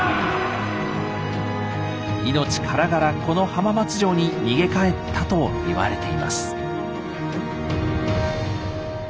命からがらこの浜松城に逃げ帰ったと言われています。